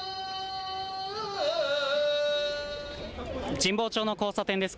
神保町の交差点です。